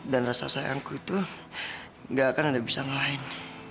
dan rasa sayangku itu nggak akan ada bisanya lain